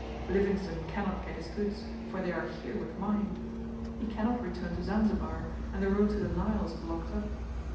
Livingstone cannot get his goods, for they are here with mine. He cannot return to Zanzibar, and the road to the Nile is blocked up.